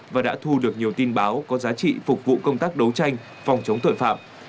và đã thu được nhiều tin báo có giá trị phục vụ công tác đấu tranh phòng chống tội phạm